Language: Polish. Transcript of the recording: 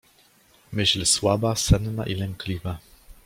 Myśl słaba, senna i lękliwa.